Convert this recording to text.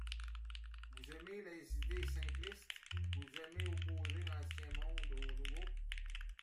Vous aimez les idées simplistes ; vous aimez opposer l’ancien monde au nouveau.